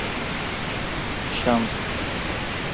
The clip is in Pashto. شمس